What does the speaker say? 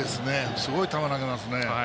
すごい球投げますね。